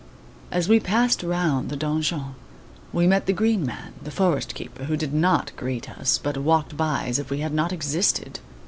As we passed round the donjon, we met the Green Man, the forest keeper, who did not greet us, but walked by as if we had not existed.